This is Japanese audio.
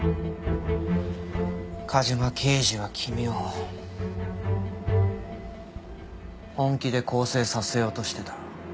梶間刑事は君を本気で更生させようとしてた。